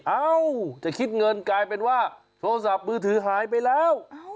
เอ้าจะคิดเงินกลายเป็นว่าโทรศัพท์มือถือหายไปแล้ว